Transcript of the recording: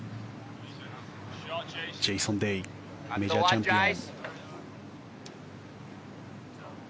ジェイソン・デイメジャーチャンピオン。